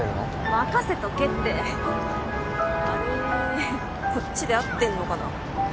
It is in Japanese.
任せとけってあれこっちで合ってんのかな？